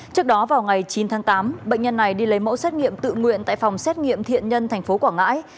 trước đó vào ngày chín tháng tám bệnh nhân này đi lấy mẫu xét nghiệm tự nguyện tại phòng xét nghiệm thiện nhân tp quảng ngãi